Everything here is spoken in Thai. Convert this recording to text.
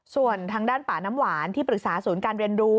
ส่วนทางด้านป่าน้ำหวานที่ปรึกษาศูนย์การเรียนรู้